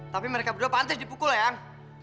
tapi mereka berdua pantas dipukul eang